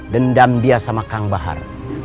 dendam dia sama kang bahar